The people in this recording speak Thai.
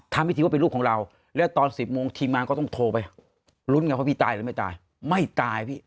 ทำพิธีว่าเป็นลูกของเราแล้วตอน๑๐โมงทีมงานก็ต้องโทรไปลุ้นกันว่าพี่ตายหรือไม่ตายไม่ตายพี่